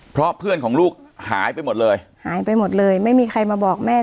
เพราะเพื่อนของลูกหายไปหมดเลยหายไปหมดเลยไม่มีใครมาบอกแม่